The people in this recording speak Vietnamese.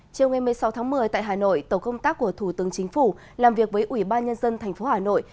chiều ngày một mươi sáu tháng một mươi tại hà nội tổ công tác của thủ tướng chính phủ làm việc với ủy ban nhân dân tp hà nội